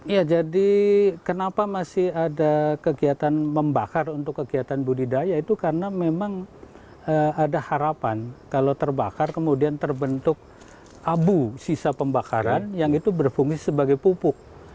ya jadi kenapa masih ada kegiatan membakar untuk kegiatan budidaya itu karena memang ada harapan kalau terbakar kemudian terbentuk abu sisa pembakaran yang itu berfungsi sebagai pupuk